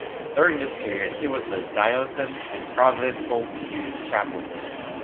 During this period he was the diocesan and provincial youth chaplain.